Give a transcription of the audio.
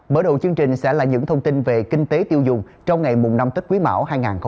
mở đầu chương trình sẽ là những thông tin về kinh tế tiêu dùng trong ngày năm tết quý mão hai nghìn hai mươi bốn